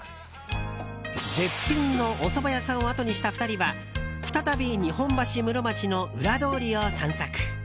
絶品のおそば屋さんをあとにした２人は再び日本橋室町の裏通りを散策。